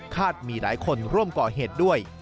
มีหลายคนร่วมก่อเหตุด้วย